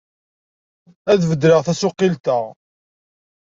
Ad beddleɣ tasuqilt-a.